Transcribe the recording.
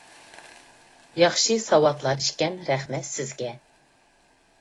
ياخشى ساۋاتلار ئىكەن، رەھمەت سىزگە!